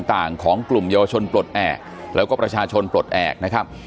ต่างของกลุ่มเยาวชนปลดแอบแล้วก็ประชาชนปลดแอบนะครับ